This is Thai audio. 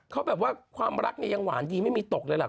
เขาแบบว่าความรักเนี่ยยังหวานดีไม่มีตกเลยล่ะ